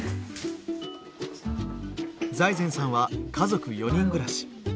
財前さんは家族４人暮らし。